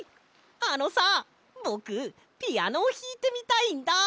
あのさぼくピアノをひいてみたいんだ。